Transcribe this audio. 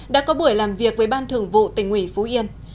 đã có buổi làm việc với ban thường vụ tỉnh ủy phú yên